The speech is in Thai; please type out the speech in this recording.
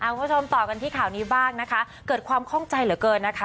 คุณผู้ชมต่อกันที่ข่าวนี้บ้างนะคะเกิดความข้องใจเหลือเกินนะคะ